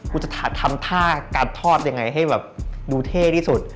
กูจะทำท่าการทอดยังไงให้แบบดูเท่ที่สุด